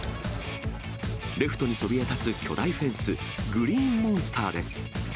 レフトにそびえ立つ巨大フェンス、グリーンモンスターです。